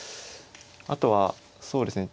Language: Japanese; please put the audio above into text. あとはそうですね